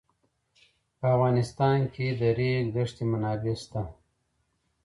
په افغانستان کې د د ریګ دښتې منابع شته.